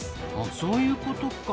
そういうことか。